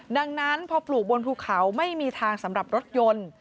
ดังนั้นพอปลูกบนภูเขาไม่มีทางสำหรับรถยนต์